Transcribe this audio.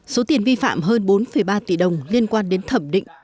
số tiền vi phạm hơn bốn ba tỷ đồng liên quan đến thẩm định